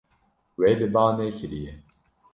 We li ba nekiriye.